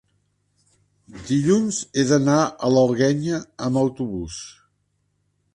Dilluns he d'anar a l'Alguenya amb autobús.